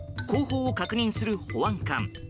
後方を確認する保安官。